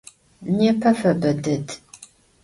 Nêpe febe ded.